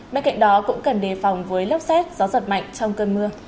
bên cạnh đó cũng cần đề phòng với lốc xét gió giật mạnh trong cơn mưa